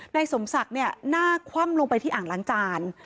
นายสมศักดิ์เนี่ยหน้าคว่ำลงไปที่อ่างล้างจาน